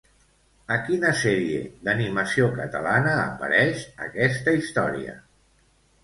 A quina sèrie d'animació catalana apareix, aquesta història?